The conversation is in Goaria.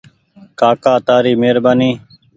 ڪآڪآ تآري مهربآني۔